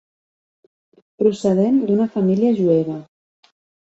Procedent d'una família jueva.